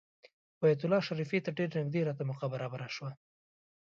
بیت الله شریفې ته ډېر نږدې راته موقع برابره شوه.